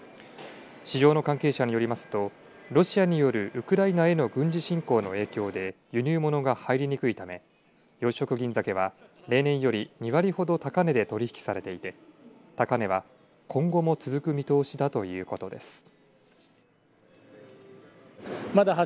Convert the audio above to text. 市場の関係者によりますとロシアによるウクライナへの軍事侵攻の影響で輸入ものが入りにくいため養殖銀ざけは例年より２割ほど高値で取り引きされていて高値は今後も続く見通しだということです。